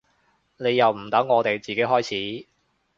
你又唔等我哋自己開始